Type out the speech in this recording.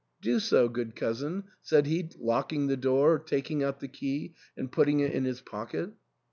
"Do so, good cousin," said he, locking the door, taking out the key, and put ting it in his pocket.